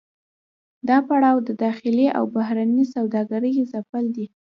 دا پړاو د داخلي او بهرنۍ سوداګرۍ ځپل دي